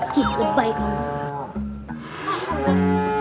gila baik amat